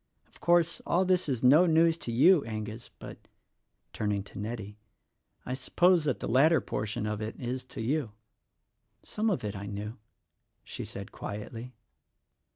Of course, all this is no news to you, Angus, but," turning to Nettie, "I suppose that the latter portion of it is to you." "Some of it I knew," she said quietly.